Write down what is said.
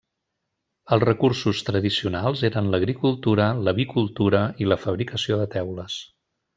Els recursos tradicionals eren l'agricultura, l'avicultura i la fabricació de teules.